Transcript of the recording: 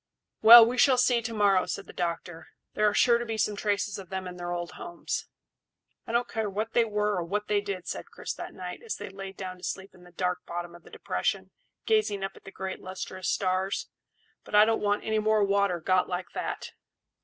"Well, we shall see to morrow," said the doctor; "there are sure to be some traces of them in their old homes." "I don't care what they were or what they did," said Chris that night, as they laid down to sleep in the dark bottom of the depression, gazing up at the great lustrous stars; "but I don't want any more water got like that.